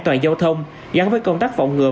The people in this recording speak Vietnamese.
toàn giao thông gắn với công tác phòng ngừa